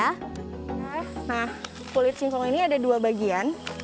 nah kulit singkong ini ada dua bagian